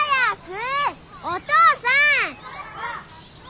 お父さん！